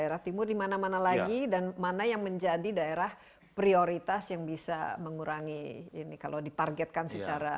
daerah timur dimana mana lagi dan mana yang menjadi daerah prioritas yang bisa mengurangi ini kalau ditargetkan secara